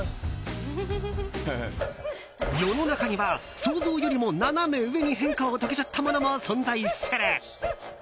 世の中には想像よりもナナメ上に変化を遂げちゃったものも存在する。